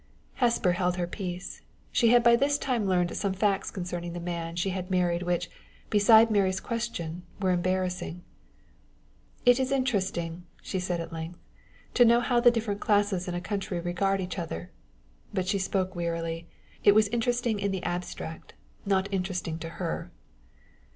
Hesper held her peace. She had by this time learned some facts concerning the man she had married which, beside Mary's question, were embarrassing. "It is interesting," she said at length, "to know how the different classes in a country regard each other." But she spoke wearily: it was interesting in the abstract, not interesting to her.